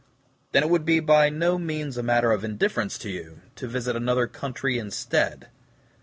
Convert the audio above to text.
"Then it would be by no means a matter of indifference to you, to visit another country instead."